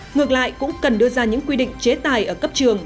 ngược lại cũng cần đưa ra những quy định chế tài ở cấp trường